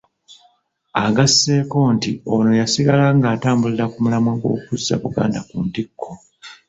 Ageseko nti ono yasigala ng'atambulira ku mulamwa ogw'okuzza Buganda ku ntikko.